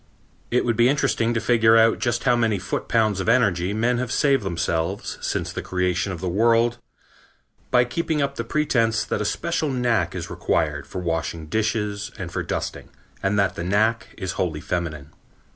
It would be interesting to figure out just how many foot pounds of energy men have saved themselves, since the creation of the world, by keeping up the pretense that a special knack is required for washing dishes and for dusting, and that the knack is wholly feminine.